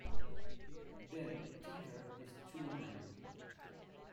Then, ticker is two-line.